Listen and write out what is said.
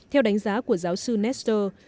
theo đánh giá của giáo sư nestor